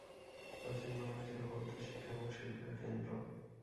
প্রাচীন বাংলা ছিল বৌদ্ধ শিক্ষা এবং শিল্পের কেন্দ্র।